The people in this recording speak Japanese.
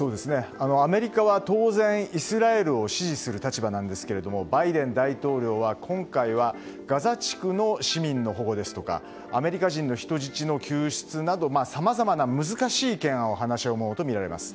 アメリカは当然、イスラエルを支持する立場なんですがバイデン大統領は今回はガザ地区の市民の保護ですとかアメリカ人の人質の救出などさまざまな難しい懸案を話し合うものとみられます。